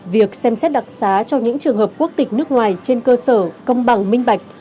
việc xem xét đặc xá cho những trường hợp quốc tịch nước ngoài trên cơ sở công bằng minh bạch